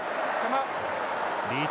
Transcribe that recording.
リーチ